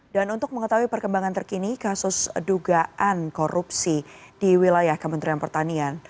dan untuk mengetahui perkembangan terkini kasus dugaan korupsi di wilayah kementerian pertanian